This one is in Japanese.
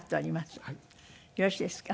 よろしいですか？